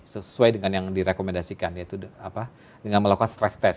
sesuai dengan yang direkomendasikan yaitu dengan melakukan stress test